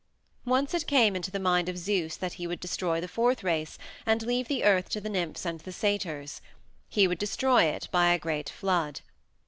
Once it came into the mind of Zeus that he would destroy the fourth race and leave the earth to the nymphs and the satyrs. He would destroy it by a great flood.